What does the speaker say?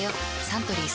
サントリー「翠」